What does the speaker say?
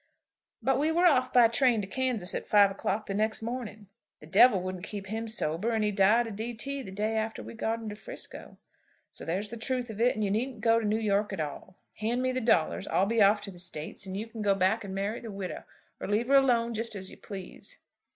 "But we were off by train to Kansas at five o'clock the next morning. The devil wouldn't keep him sober, and he died of D.T. the day after we got him to 'Frisco. So there's the truth of it, and you needn't go to New York at all. Hand me the dollars. I'll be off to the States; and you can go back and marry the widow, or leave her alone, just as you please."